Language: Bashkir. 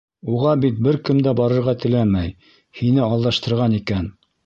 Уға бит бер кем дә барырға теләмәй, һине алдаштырған икән.